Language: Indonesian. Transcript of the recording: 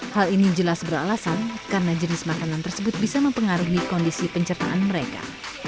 hal ini jelas beralasan karena jenis makanan tersebut bisa mempengaruhi kondisi pencernaan mereka